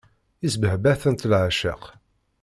Isbehba-tent leεceq.